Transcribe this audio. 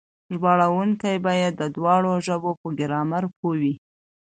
ژباړونکي بايد د دواړو ژبو په ګرامر پوه وي.